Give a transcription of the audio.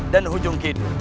dan hujung kidu